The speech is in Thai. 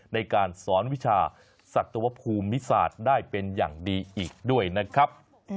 ในการสอนวิชาสัตวภูมิศาสตร์ได้เป็นอย่างดีอีกด้วยนะครับ